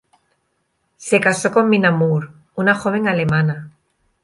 Se casó con Minna More, una joven alemana.